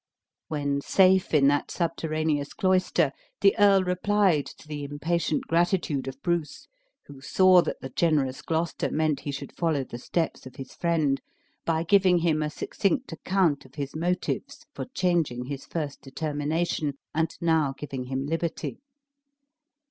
When safe in that subterraneous cloister, the earl replied to the impatient gratitude of Bruce (who saw that the generous Gloucester meant he should follow the steps of his friend) by giving him a succinct account of his motives for changing his first determination, and now giving him liberty.